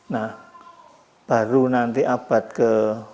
nah baru nanti abad ke tujuh belas